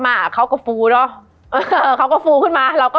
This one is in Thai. มันทำให้ชีวิตผู้มันไปไม่รอด